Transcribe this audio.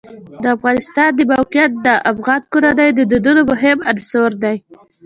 د افغانستان د موقعیت د افغان کورنیو د دودونو مهم عنصر دی.